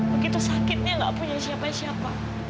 begitu sakitnya nggak punya siapa siapa